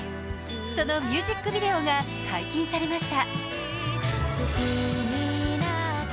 そのミュージックビデオが解禁されました。